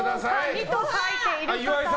２と書いている方。